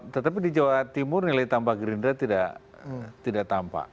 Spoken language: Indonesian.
tetapi di jawa timur nilai tambah gerindra tidak tampak